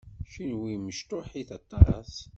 Kenwi mecṭuḥit aṭas.